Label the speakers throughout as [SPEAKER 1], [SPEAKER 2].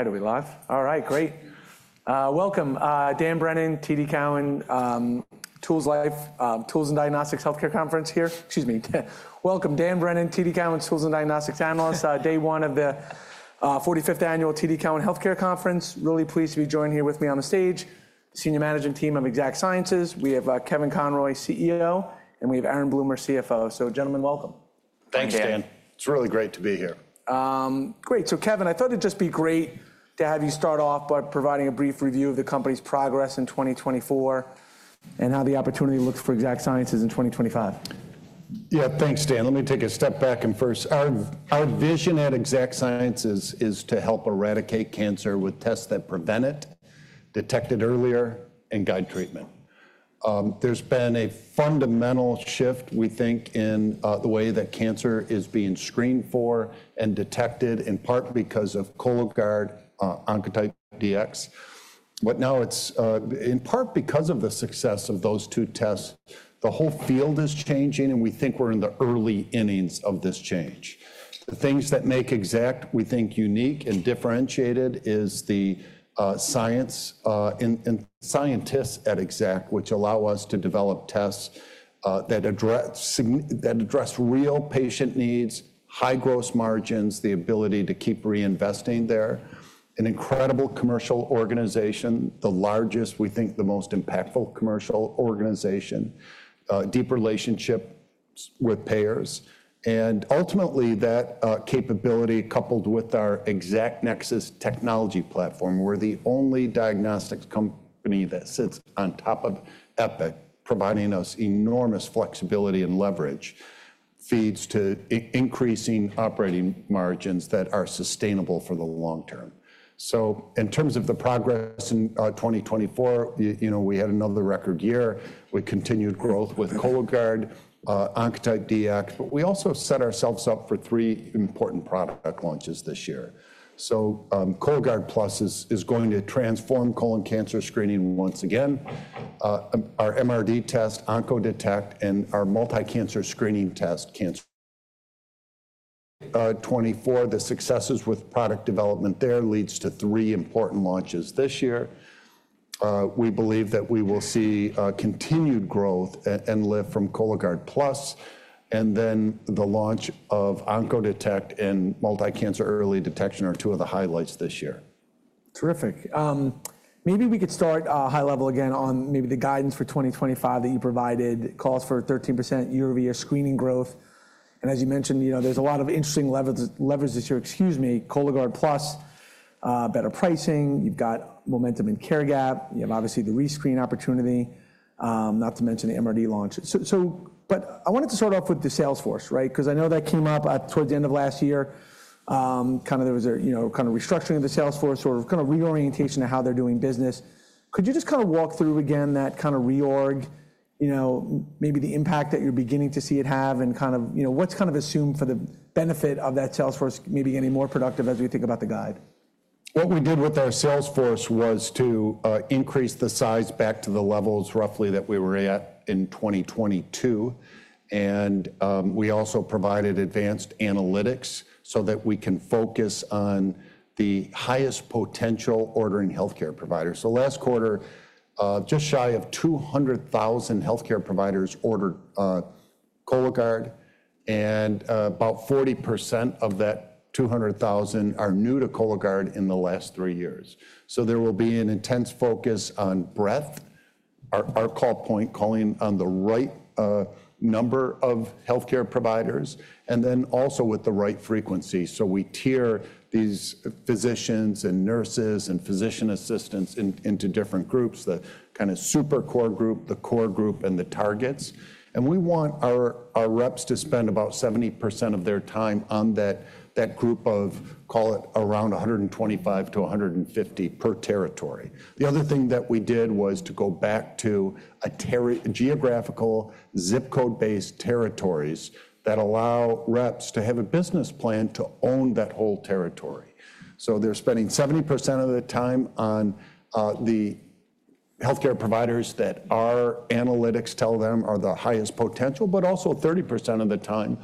[SPEAKER 1] All right, are we live? All right, great. Welcome. Dan Brennan, TD Cowen, Tools and Diagnostics Healthcare Conference here. Excuse me. Welcome, Dan Brennan, TD Cowen, Tools and Diagnostics Analyst, day one of the 45th Annual TD Cowen Healthcare Conference. Really pleased to be joined here with me on the stage, Senior Management Team of Exact Sciences. We have Kevin Conroy, CEO, and we have Aaron Bloomer, CFO. So, gentlemen, welcome.
[SPEAKER 2] Thanks, Dan. It's really great to be here.
[SPEAKER 1] Great. So, Kevin, I thought it'd just be great to have you start off by providing a brief review of the company's progress in 2024 and how the opportunity looks for Exact Sciences in 2025.
[SPEAKER 2] Yeah, thanks, Dan. Let me take a step back and first, our vision at Exact Sciences is to help eradicate cancer with tests that prevent it, detect it earlier, and guide treatment. There's been a fundamental shift, we think, in the way that cancer is being screened for and detected, in part because of Cologuard, Oncotype DX. But now it's in part because of the success of those two tests, the whole field is changing, and we think we're in the early innings of this change. The things that make Exact, we think, unique and differentiated is the science and scientists at Exact, which allow us to develop tests that address real patient needs, high gross margins, the ability to keep reinvesting there, an incredible commercial organization, the largest, we think, the most impactful commercial organization, deep relationships with payers, and ultimately that capability coupled with our ExactNexus technology platform. We're the only diagnostics company that sits on top of Epic, providing us enormous flexibility and leverage feeds to increasing operating margins that are sustainable for the long term. So, in terms of the progress in 2024, you know, we had another record year. We continued growth with Cologuard, Oncotype DX, but we also set ourselves up for three important product launches this year. Cologuard Plus is going to transform colon cancer screening once again, our MRD test, Oncodetect, and our multi-cancer screening test, Cancerguard. The successes with product development there lead to three important launches this year. We believe that we will see continued growth and lift from Cologuard Plus, and then the launch of Oncodetect and multi-cancer early detection are two of the highlights this year.
[SPEAKER 1] Terrific. Maybe we could start, high level again on maybe the guidance for 2025 that you provided, calls for 13% year-over-year screening growth, and as you mentioned, you know, there's a lot of interesting levers this year. Excuse me, Cologuard Plus, better pricing, you've got momentum in care gap, you have obviously the rescreen opportunity, not to mention the MRD launch. So, but I wanted to start off with the sales force, right? Because I know that came up, towards the end of last year, kind of there was a, you know, kind of restructuring of the sales force, sort of kind of reorientation of how they're doing business. Could you just kind of walk through again that kind of reorg, you know, maybe the impact that you're beginning to see it have and kind of, you know, what's kind of assumed for the benefit of that sales force, maybe getting more productive as we think about the guide?
[SPEAKER 2] What we did with our sales force was to increase the size back to the levels roughly that we were at in 2022, and we also provided advanced analytics so that we can focus on the highest potential ordering healthcare providers, so last quarter, just shy of 200,000 healthcare providers ordered Cologuard, and about 40% of that 200,000 are new to Cologuard in the last three years, so there will be an intense focus on breadth, our call point, calling on the right number of healthcare providers, and then also with the right frequency, so we tier these physicians and nurses and physician assistants into different groups, the kind of super core group, the core group, and the targets, and we want our reps to spend about 70% of their time on that group of, call it around 125-150 per territory. The other thing that we did was to go back to a territory, geographical zip code-based territories that allow reps to have a business plan to own that whole territory. So they're spending 70% of the time on the healthcare providers that our analytics tell them are the highest potential, but also 30% of the time,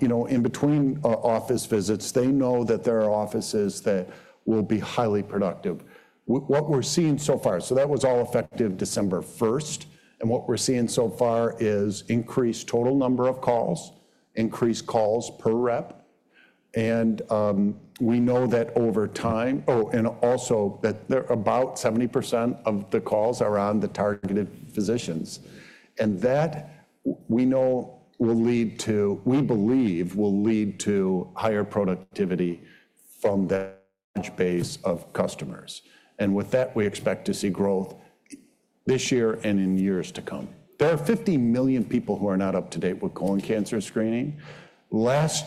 [SPEAKER 2] you know, in between office visits, they know that there are offices that will be highly productive. What we're seeing so far, so that was all effective December 1st, and what we're seeing so far is increased total number of calls, increased calls per rep, and we know that over time, oh, and also that they're about 70% of the calls are on the targeted physicians, and that we know will lead to, we believe will lead to higher productivity from that base of customers. With that, we expect to see growth this year and in years to come. There are 50 million people who are not up to date with colon cancer screening. Last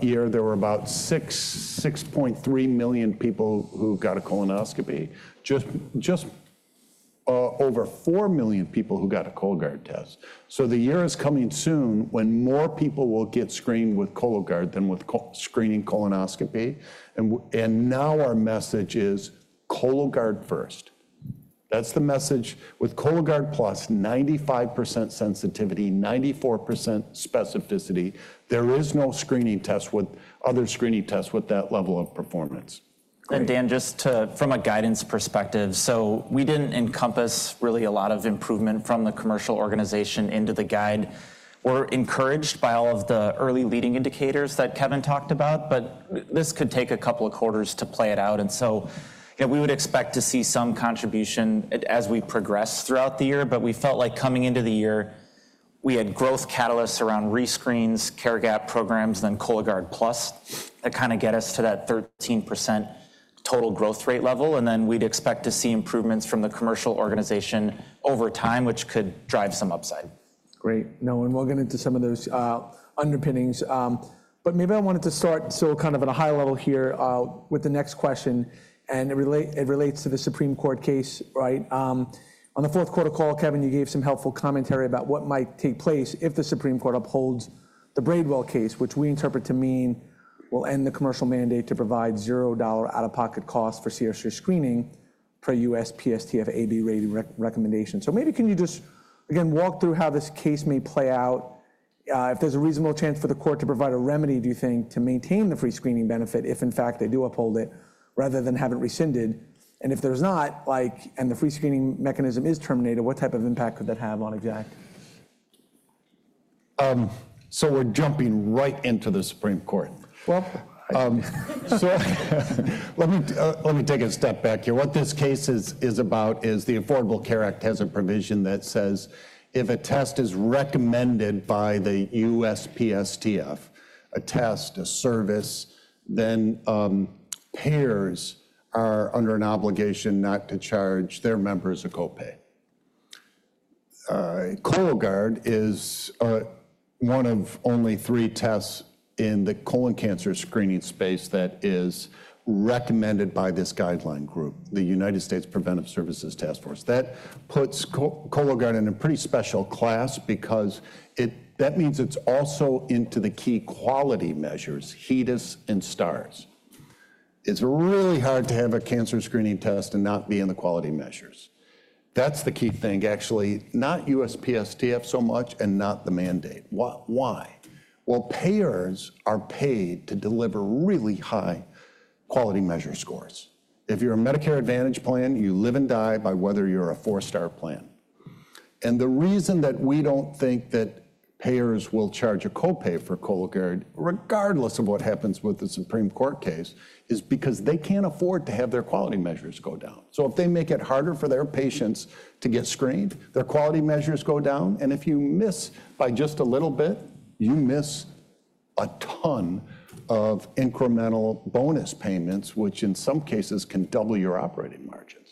[SPEAKER 2] year, there were about 6.3 million people who got a colonoscopy, just over 4 million people who got a Cologuard test. So the year is coming soon when more people will get screened with Cologuard than with screening colonoscopy. And now our message is Cologuard first. That's the message with Cologuard Plus, 95% sensitivity, 94% specificity. There is no screening test with other screening tests with that level of performance.
[SPEAKER 3] Dan, just to, from a guidance perspective, so we didn't encompass really a lot of improvement from the commercial organization into the guide. We're encouraged by all of the early leading indicators that Kevin talked about, but this could take a couple of quarters to play it out. So, you know, we would expect to see some contribution as we progress throughout the year, but we felt like coming into the year, we had growth catalysts around rescreens, care gap programs, then Cologuard Plus that kind of get us to that 13% total growth rate level. Then we'd expect to see improvements from the commercial organization over time, which could drive some upside.
[SPEAKER 1] Great. No, and we'll get into some of those underpinnings, but maybe I wanted to start so kind of at a high level here, with the next question. And it relates, it relates to the Supreme Court case, right? On the fourth quarter call, Kevin, you gave some helpful commentary about what might take place if the Supreme Court upholds the Braidwood case, which we interpret to mean will end the commercial mandate to provide $0 out-of-pocket costs for CRC screening per USPSTF A/B rating recommendation. So maybe can you just, again, walk through how this case may play out, if there's a reasonable chance for the court to provide a remedy, do you think, to maintain the free screening benefit if, in fact, they do uphold it rather than have it rescinded? If there's not, like, the free screening mechanism is terminated, what type of impact could that have on Exact?
[SPEAKER 2] So we're jumping right into the Supreme Court.
[SPEAKER 1] Well.
[SPEAKER 2] Let me take a step back here. What this case is about is the Affordable Care Act has a provision that says if a test is recommended by the USPSTF, a service, then payers are under an obligation not to charge their members a copay. Cologuard is one of only three tests in the colon cancer screening space that is recommended by this guideline group, the United States Preventive Services Task Force. That puts Cologuard in a pretty special class because that means it's also into the key quality measures, HEDIS and Stars. It's really hard to have a cancer screening test and not be in the quality measures. That's the key thing, actually, not USPSTF so much and not the mandate. Why? Well, payers are paid to deliver really high quality measure scores. If you're a Medicare Advantage plan, you live and die by whether you're a four-star plan. And the reason that we don't think that payers will charge a copay for Cologuard, regardless of what happens with the Supreme Court case, is because they can't afford to have their quality measures go down. So if they make it harder for their patients to get screened, their quality measures go down. And if you miss by just a little bit, you miss a ton of incremental bonus payments, which in some cases can double your operating margins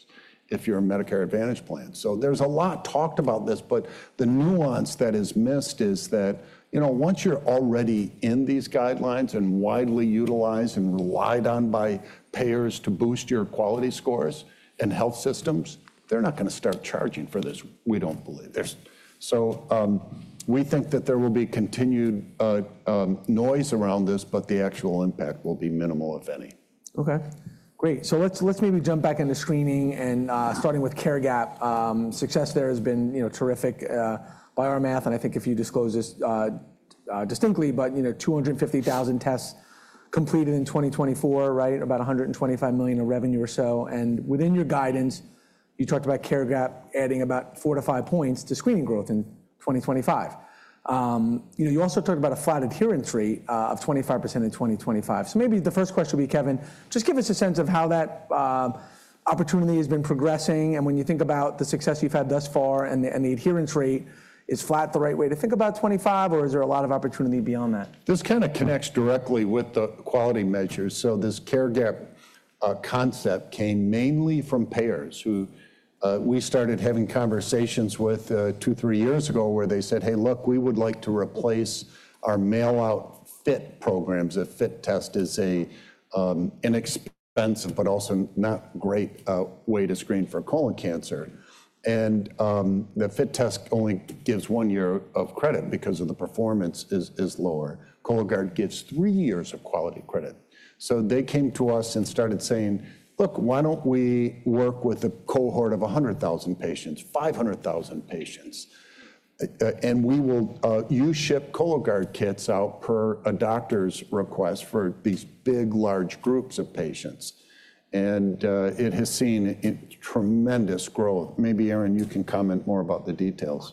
[SPEAKER 2] if you're a Medicare Advantage plan. So there's a lot talked about this, but the nuance that is missed is that, you know, once you're already in these guidelines and widely utilized and relied on by payers to boost your quality scores and health systems, they're not going to start charging for this. We don't believe this. So, we think that there will be continued noise around this, but the actual impact will be minimal, if any.
[SPEAKER 1] Okay. Great. So let's, let's maybe jump back into screening and, starting with care gap. Success there has been, you know, terrific, by our math. And I think if you disclose this distinctly, but, you know, 250,000 tests completed in 2024, right? About $125 million in revenue or so. And within your guidance, you talked about care gap adding about four to five points to screening growth in 2025. You know, you also talked about a flat adherence rate of 25% in 2025. So maybe the first question would be, Kevin, just give us a sense of how that opportunity has been progressing. And when you think about the success you've had thus far and the adherence rate, is flat the right way to think about 25%, or is there a lot of opportunity beyond that?
[SPEAKER 2] This kind of connects directly with the quality measures. So this care gap concept came mainly from payers who we started having conversations with two, three years ago where they said, "Hey, look, we would like to replace our mail-out FIT programs." A FIT test is an expensive, but also not great, way to screen for colon cancer. And the FIT test only gives one year of quality credit because of the performance is lower. Cologuard gives three years of quality credit. So they came to us and started saying, "Look, why don't we work with a cohort of 100,000 patients, 500,000 patients?" and we will you ship Cologuard kits out per a doctor's request for these big, large groups of patients. And it has seen a tremendous growth. Maybe Aaron you can comment more about the details.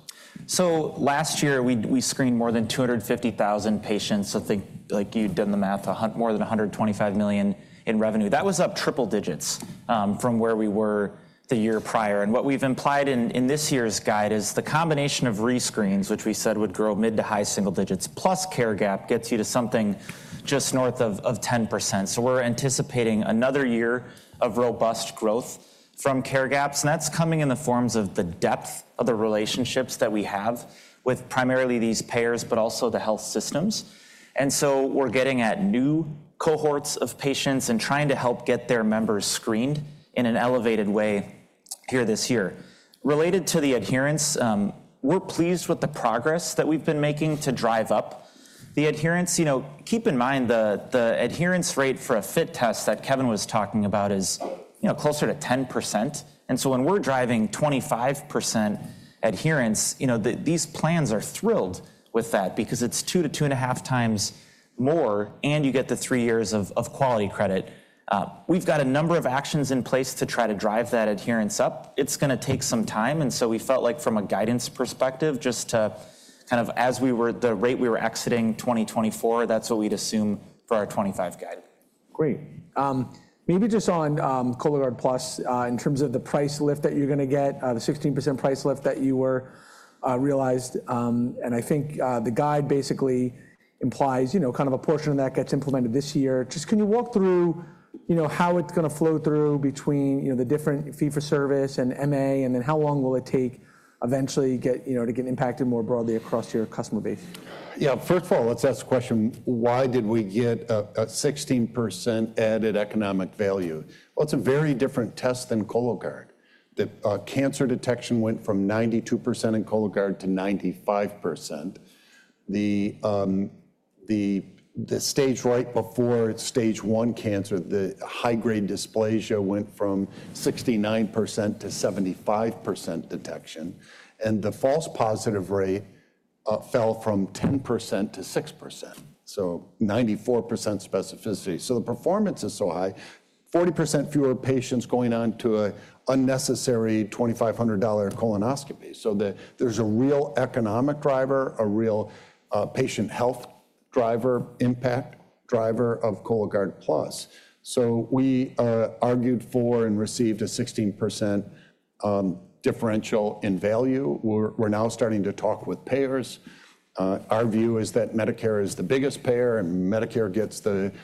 [SPEAKER 3] Last year we screened more than 250,000 patients. Think like you'd done the math to net more than $125 million in revenue. That was up triple digits from where we were the year prior. What we've implied in this year's guide is the combination of rescreens, which we said would grow mid- to high-single digits, plus care gap gets you to something just north of 10%. We're anticipating another year of robust growth from careGaps. That's coming in the forms of the depth of the relationships that we have with primarily these payers, but also the health systems. We're getting at new cohorts of patients and trying to help get their members screened in an elevated way here this year. Related to the adherence, we're pleased with the progress that we've been making to drive up the adherence. You know, keep in mind the adherence rate for a FIT test that Kevin was talking about is, you know, closer to 10%. And so when we're driving 25% adherence, you know, these plans are thrilled with that because it's two to two and a half times more, and you get the three years of quality credit. We've got a number of actions in place to try to drive that adherence up. It's going to take some time. And so we felt like from a guidance perspective, just to kind of, as we were, the rate we were exiting 2024, that's what we'd assume for our 25 guide.
[SPEAKER 1] Great. Maybe just on Cologuard Plus, in terms of the price lift that you're going to get, the 16% price lift that you were realizing. And I think the guide basically implies, you know, kind of a portion of that gets implemented this year. Just can you walk through, you know, how it's going to flow through between, you know, the different fee-for-service and MA, and then how long will it take eventually get, you know, to get impacted more broadly across your customer base?
[SPEAKER 2] Yeah. First of all, let's ask the question, why did we get a 16% added economic value? Well, it's a very different test than Cologuard. The cancer detection went from 92% in Cologuard to 95%. The stage right before stage one cancer, the high-grade dysplasia went from 69% to 75% detection. And the false positive rate fell from 10% to 6%. So 94% specificity. So the performance is so high, 40% fewer patients going on to an unnecessary $2,500 colonoscopy. So that there's a real economic driver, a real patient health driver, impact driver of Cologuard Plus. So we argued for and received a 16% differential in value. We're now starting to talk with payers. Our view is that Medicare is the biggest payer and Medicare gets.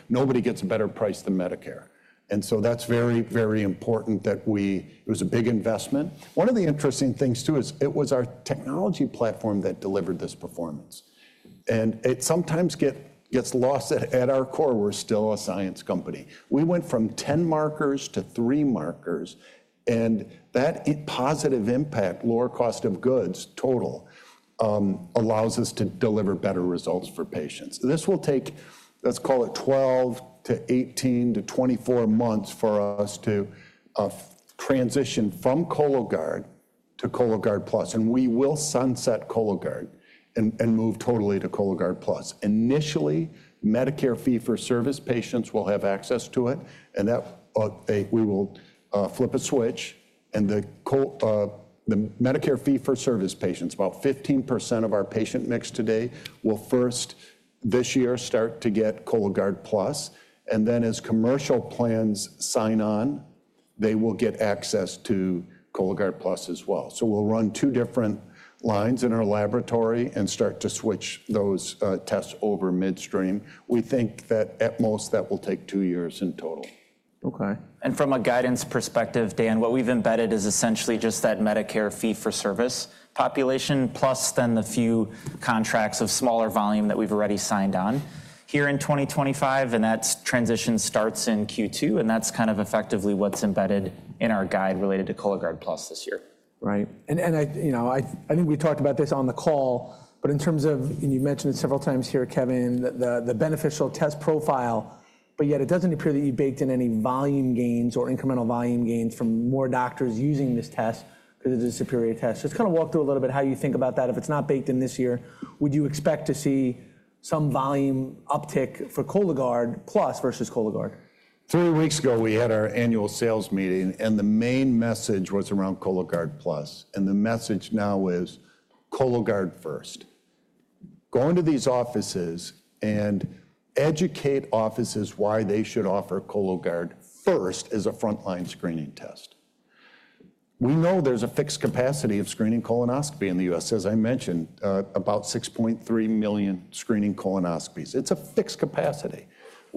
[SPEAKER 2] Nobody gets a better price than Medicare. And so that's very, very important that we, it was a big investment. One of the interesting things too is it was our technology platform that delivered this performance. And it sometimes gets lost at our core. We're still a science company. We went from 10 markers to three markers. And that positive impact, lower cost of goods total, allows us to deliver better results for patients. This will take, let's call it 12 to 18 to 24 months for us to transition from Cologuard to Cologuard Plus. And we will sunset Cologuard and move totally to Cologuard Plus. Initially, Medicare fee for service patients will have access to it. And that, we will flip a switch. And the Medicare fee for service patients, about 15% of our patient mix today will first this year start to get Cologuard Plus. And then as commercial plans sign on, they will get access to Cologuard Plus as well. So we'll run two different lines in our laboratory and start to switch those tests over midstream. We think that at most that will take two years in total.
[SPEAKER 1] Okay.
[SPEAKER 3] From a guidance perspective, Dan, what we've embedded is essentially just that Medicare fee-for-service population plus then the few contracts of smaller volume that we've already signed on here in 2025. And that transition starts in Q2. And that's kind of effectively what's embedded in our guide related to Cologuard Plus this year.
[SPEAKER 1] Right. And I, you know, I think we talked about this on the call, but in terms of, and you mentioned it several times here, Kevin, the beneficial test profile, but yet it doesn't appear that you baked in any volume gains or incremental volume gains from more doctors using this test because it is a superior test. Just kind of walk through a little bit how you think about that. If it's not baked in this year, would you expect to see some volume uptick for Cologuard Plus versus Cologuard?
[SPEAKER 2] Three weeks ago, we had our annual sales meeting and the main message was around Cologuard Plus, and the message now is Cologuard first. Go into these offices and educate offices why they should offer Cologuard first as a frontline screening test. We know there's a fixed capacity of screening colonoscopy in the U.S., as I mentioned, about 6.3 million screening colonoscopies. It's a fixed capacity.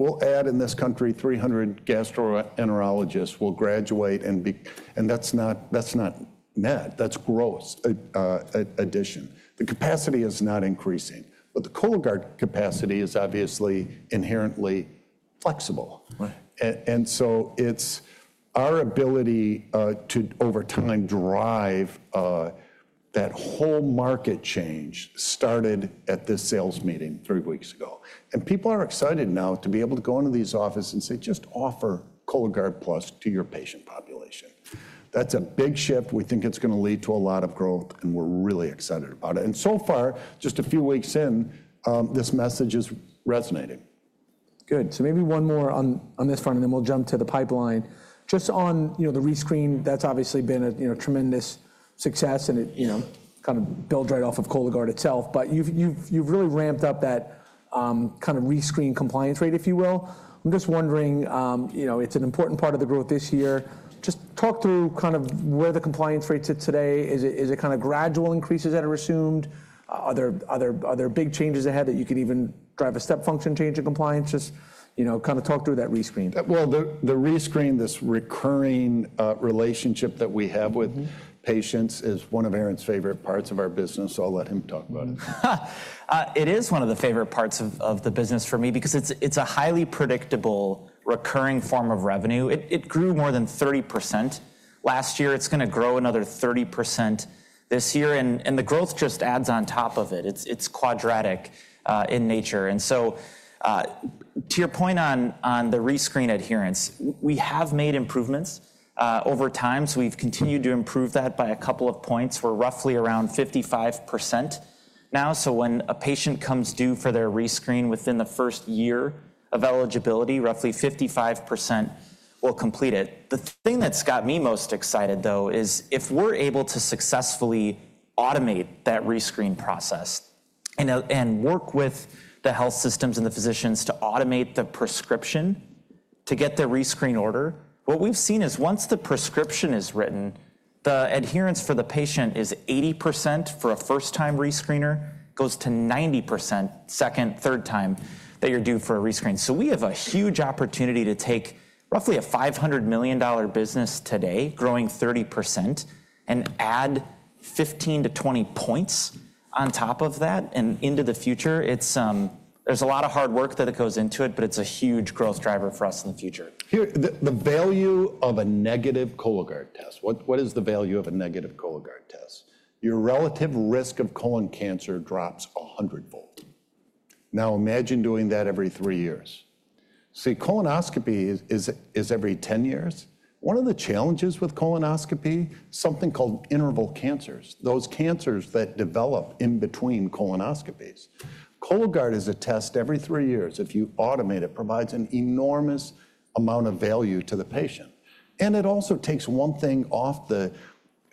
[SPEAKER 2] We'll add in this country 300 gastroenterologists will graduate and be, and that's not net. That's gross, addition. The capacity is not increasing, but the Cologuard capacity is obviously inherently flexible.
[SPEAKER 1] Right.
[SPEAKER 2] So it's our ability to over time drive that whole market change started at this sales meeting three weeks ago. People are excited now to be able to go into these offices and say, "Just offer Cologuard Plus to your patient population." That's a big shift. We think it's going to lead to a lot of growth and we're really excited about it. So far, just a few weeks in, this message is resonating.
[SPEAKER 1] Good. So maybe one more on this front, and then we'll jump to the pipeline. Just on, you know, the rescreen, that's obviously been a, you know, tremendous success and it, you know, kind of build right off of Cologuard itself, but you've really ramped up that, kind of rescreen compliance rate, if you will. I'm just wondering, you know, it's an important part of the growth this year. Just talk through kind of where the compliance rates at today. Is it kind of gradual increases that are assumed? Are there big changes ahead that you could even drive a step function change in compliance? Just, you know, kind of talk through that rescreen.
[SPEAKER 2] The rescreen, this recurring relationship that we have with patients, is one of Aaron's favorite parts of our business. I'll let him talk about it.
[SPEAKER 3] It is one of the favorite parts of the business for me because it's a highly predictable recurring form of revenue. It grew more than 30% last year. It's going to grow another 30% this year. And the growth just adds on top of it. It's quadratic in nature. And so to your point on the rescreen adherence, we have made improvements over time. So we've continued to improve that by a couple of points. We're roughly around 55% now. So when a patient comes due for their rescreen within the first year of eligibility, roughly 55% will complete it. The thing that's got me most excited though is if we're able to successfully automate that rescreen process and work with the health systems and the physicians to automate the prescription to get the rescreen order. What we've seen is once the prescription is written, the adherence for the patient is 80% for a first-time rescreener, goes to 90% second, third time that you're due for a rescreen. So we have a huge opportunity to take roughly a $500 million business today, growing 30% and add 15-20 points on top of that and into the future. It's, there's a lot of hard work that it goes into it, but it's a huge growth driver for us in the future.
[SPEAKER 2] Here, the value of a negative Cologuard test. What is the value of a negative Cologuard test? Your relative risk of colon cancer drops a hundredfold. Now imagine doing that every three years. See, colonoscopy is every 10 years. One of the challenges with colonoscopy, something called interval cancers, those cancers that develop in between colonoscopies. Cologuard is a test every three years. If you automate it, it provides an enormous amount of value to the patient. It also takes one thing off the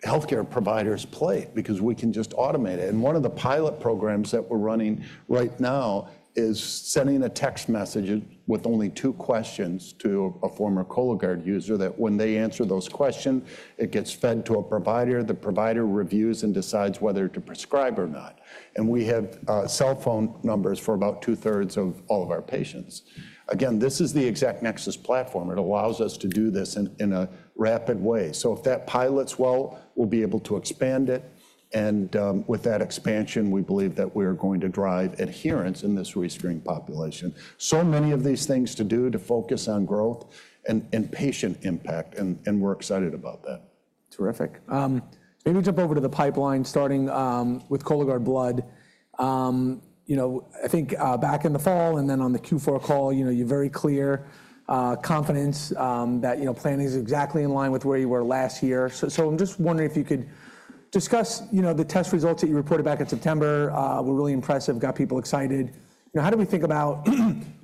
[SPEAKER 2] healthcare provider's plate because we can just automate it. One of the pilot programs that we're running right now is sending a text message with only two questions to a former Cologuard user that when they answer those questions, it gets fed to a provider. The provider reviews and decides whether to prescribe or not. We have cell phone numbers for about two-thirds of all of our patients. Again, this is the ExactNexus platform. It allows us to do this in a rapid way. If that pilots well, we'll be able to expand it. With that expansion, we believe that we're going to drive adherence in this rescreen population. Many of these things to do to focus on growth and patient impact. We're excited about that.
[SPEAKER 1] Terrific. Maybe jump over to the pipeline starting with Cologuard blood. You know, I think, back in the fall and then on the Q4 call, you know, you're very clear, confidence, that, you know, planning is exactly in line with where you were last year. So, I'm just wondering if you could discuss, you know, the test results that you reported back in September. They were really impressive, got people excited. You know, how do we think about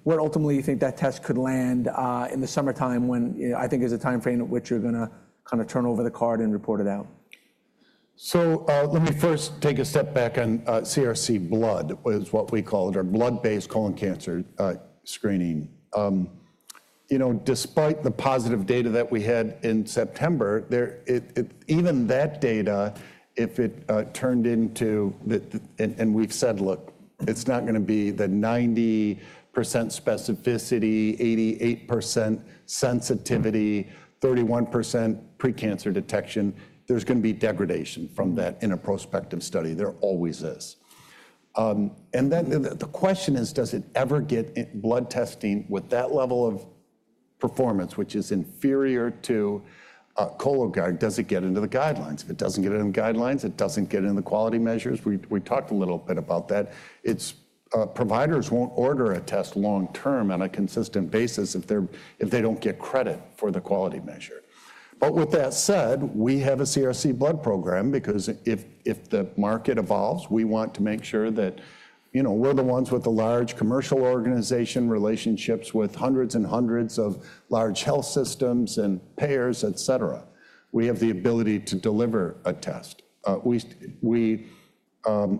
[SPEAKER 1] where ultimately you think that test could land, in the summertime when I think is a timeframe at which you're going to kind of turn over the card and report it out?
[SPEAKER 2] Let me first take a step back and CRC blood is what we call it, our blood-based colon cancer screening. You know, despite the positive data that we had in September, even that data, if it turned into that, and we've said, look, it's not going to be the 90% specificity, 88% sensitivity, 31% precancer detection. There's going to be degradation from that in a prospective study. There always is. And then the question is, does it ever get blood testing with that level of performance, which is inferior to Cologuard? Does it get into the guidelines? If it doesn't get in the guidelines, it doesn't get into the quality measures. We talked a little bit about that. It's providers won't order a test long-term on a consistent basis if they don't get credit for the quality measure. But with that said, we have a CRC blood program because if the market evolves, we want to make sure that, you know, we're the ones with the large commercial organization relationships with hundreds and hundreds of large health systems and payers, et cetera. We have the ability to deliver a test. We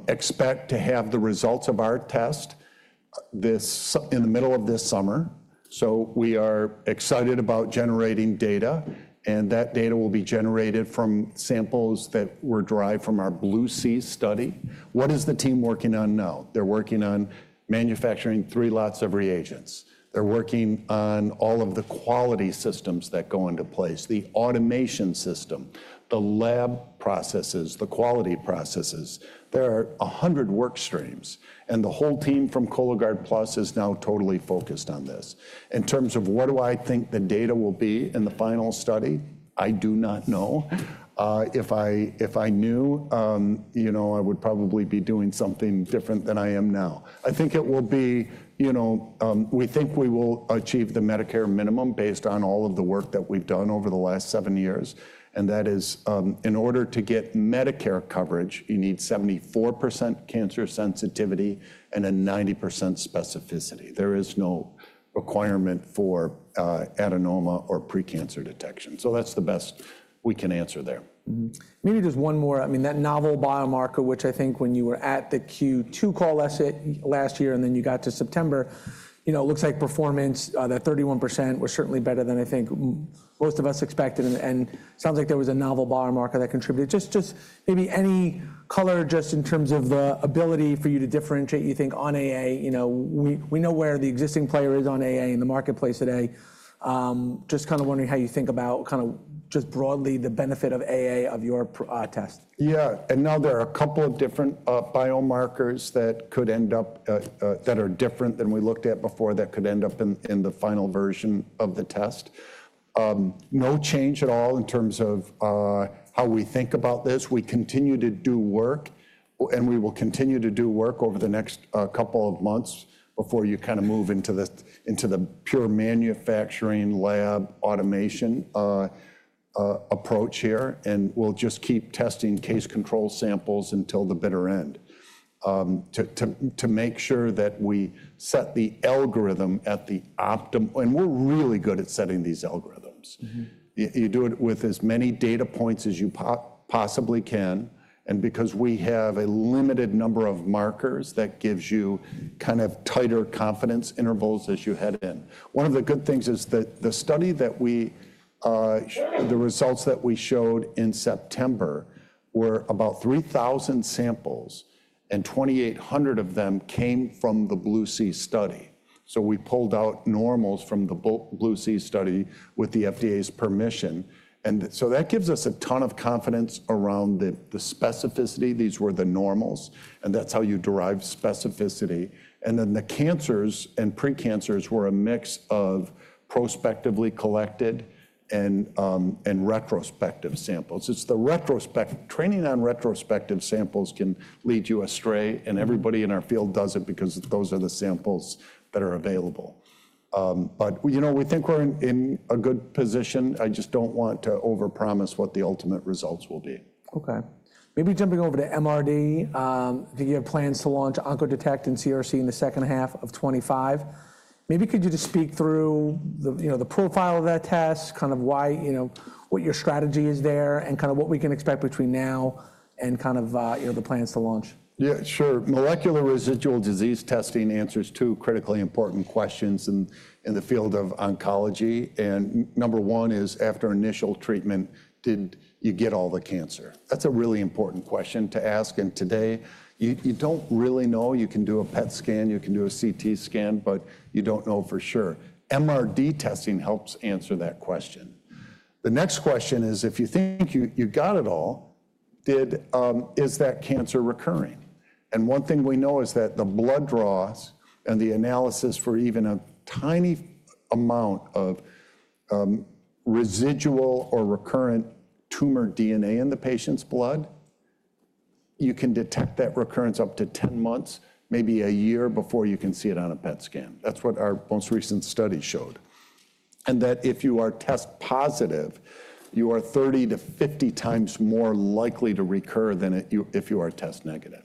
[SPEAKER 2] expect to have the results of our test this in the middle of this summer. So we are excited about generating data. And that data will be generated from samples that were derived from our BLUE-C study. What is the team working on now? They're working on manufacturing three lots of reagents. They're working on all of the quality systems that go into place, the automation system, the lab processes, the quality processes. There are a hundred work streams. And the whole team from Cologuard Plus is now totally focused on this. In terms of what do I think the data will be in the final study, I do not know. If I knew, you know, I would probably be doing something different than I am now. I think it will be, you know, we think we will achieve the Medicare minimum based on all of the work that we've done over the last seven years, and that is, in order to get Medicare coverage, you need 74% cancer sensitivity and a 90% specificity. There is no requirement for adenoma or precancer detection. So that's the best we can answer there.
[SPEAKER 1] Maybe just one more. I mean, that novel biomarker, which I think when you were at the Q2 call last year, last year, and then you got to September, you know, it looks like performance, that 31% was certainly better than I think most of us expected. And, and it sounds like there was a novel biomarker that contributed. Just, just maybe any color just in terms of the ability for you to differentiate, you think on AA, you know, we, we know where the existing player is on AA in the marketplace today. Just kind of wondering how you think about kind of just broadly the benefit of AA of your test.
[SPEAKER 2] Yeah. And now there are a couple of different biomarkers that could end up, that are different than we looked at before that could end up in the final version of the test. No change at all in terms of how we think about this. We continue to do work and we will continue to do work over the next couple of months before you kind of move into the pure manufacturing lab automation approach here. And we'll just keep testing case control samples until the bitter end to make sure that we set the algorithm at the optimal. And we're really good at setting these algorithms. You do it with as many data points as you possibly can. And because we have a limited number of markers that gives you kind of tighter confidence intervals as you head in. One of the good things is that the study that we, the results that we showed in September were about 3,000 samples and 2,800 of them came from the BLUE-C study. So we pulled out normals from the BLUE-C study with the FDA's permission. And so that gives us a ton of confidence around the specificity. These were the normals and that's how you derive specificity. And then the cancers and precancers were a mix of prospectively collected and retrospective samples. It's the retrospective training on retrospective samples can lead you astray and everybody in our field does it because those are the samples that are available. But you know, we think we're in a good position. I just don't want to overpromise what the ultimate results will be.
[SPEAKER 1] Okay. Maybe jumping over to MRD. Do you have plans to launch Oncodetect and CRC in the second half of 2025? Maybe could you just speak through the, you know, the profile of that test, kind of why, you know, what your strategy is there and kind of what we can expect between now and kind of, you know, the plans to launch?
[SPEAKER 2] Yeah, sure. Molecular residual disease testing answers two critically important questions in the field of oncology. And number one is after initial treatment, did you get all the cancer? That's a really important question to ask. And today you don't really know. You can do a PET scan, you can do a CT scan, but you don't know for sure. MRD testing helps answer that question. The next question is if you think you got it all, is that cancer recurring? And one thing we know is that the blood draws and the analysis for even a tiny amount of residual or recurrent tumor DNA in the patient's blood, you can detect that recurrence up to 10 months, maybe a year before you can see it on a PET scan. That's what our most recent study showed. That if you are test positive, you are 30 to 50 times more likely to recur than if you are test negative.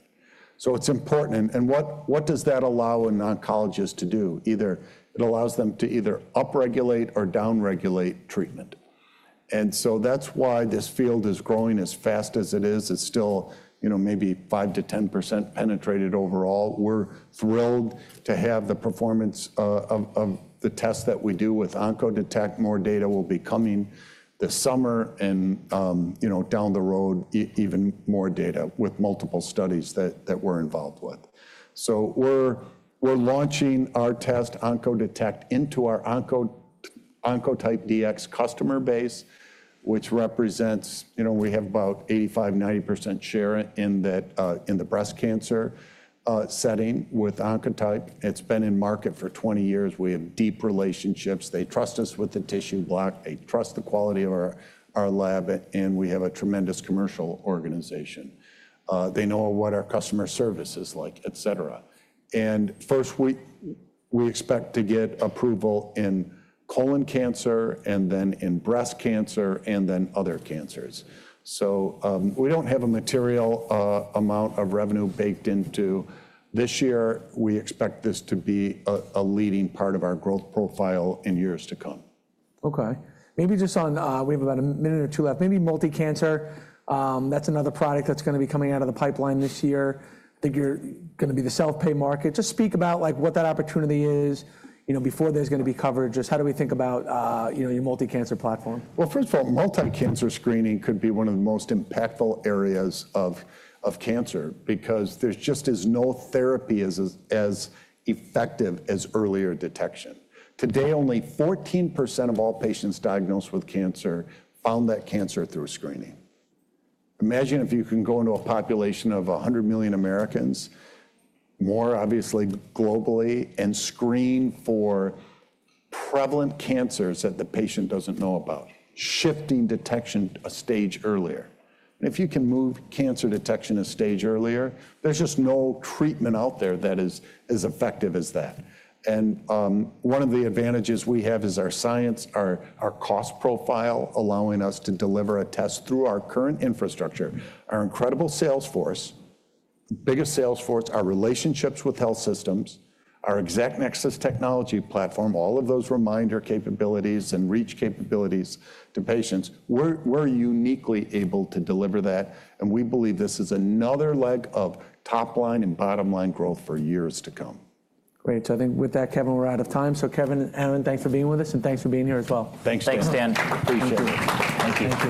[SPEAKER 2] It's important. What does that allow an oncologist to do? Either it allows them to either upregulate or downregulate treatment. That's why this field is growing as fast as it is. It's still, you know, maybe 5%-10% penetrated overall. We're thrilled to have the performance of the tests that we do with Oncodetect. More data will be coming this summer and, you know, down the road, even more data with multiple studies that we're involved with. We're launching our test Oncodetect into our Oncotype DX customer base, which represents, you know, we have about 85%-90% share in that, in the breast cancer setting with Oncotype. It's been in market for 20 years. We have deep relationships. They trust us with the tissue block. They trust the quality of our lab, and we have a tremendous commercial organization. They know what our customer service is like, et cetera. First, we expect to get approval in colon cancer and then in breast cancer and then other cancers, so we don't have a material amount of revenue baked into this year. We expect this to be a leading part of our growth profile in years to come.
[SPEAKER 1] Okay. Maybe just on, we have about a minute or two left. Maybe multi-cancer. That's another product that's going to be coming out of the pipeline this year. I think you're going to be the self-pay market. Just speak about like what that opportunity is, you know, before there's going to be coverage. Just how do we think about, you know, your multi-cancer platform?
[SPEAKER 2] First of all, multi-cancer screening could be one of the most impactful areas of cancer because there's just no therapy as effective as earlier detection. Today, only 14% of all patients diagnosed with cancer found that cancer through screening. Imagine if you can go into a population of a hundred million Americans, more obviously globally, and screen for prevalent cancers that the patient doesn't know about, shifting detection a stage earlier. And if you can move cancer detection a stage earlier, there's just no treatment out there that is effective as that. And one of the advantages we have is our science, our cost profile allowing us to deliver a test through our current infrastructure, our incredible sales force, biggest sales force, our relationships with health systems, our ExactNexus technology platform. All of those remind our capabilities and reach capabilities to patients. We're uniquely able to deliver that, and we believe this is another leg of top line and bottom line growth for years to come.
[SPEAKER 1] Great. So I think with that, Kevin, we're out of time. So Kevin, Aaron, thanks for being with us and thanks for being here as well.
[SPEAKER 3] Thanks for coming.
[SPEAKER 2] Thanks, Dan. Appreciate it.
[SPEAKER 3] Thank you.